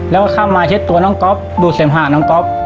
แล้วก็เข้ามาเช็ดตัวน้องก๊อฟดูดเสมหาน้องก๊อฟ